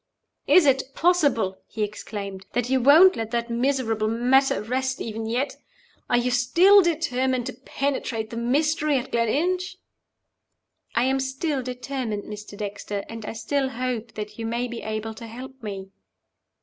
"Is it possible," he exclaimed, "that you won't let that miserable matter rest even yet? Are you still determined to penetrate the mystery at Gleninch?" "I am still determined, Mr. Dexter; and I still hope that you may be able to help me."